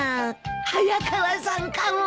早川さんかも。